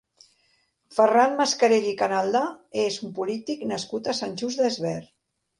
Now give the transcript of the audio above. Ferran Mascarell i Canalda és un polític nascut a Sant Just Desvern.